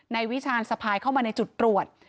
วิชาญสะพายเข้ามาในจุดตรวจ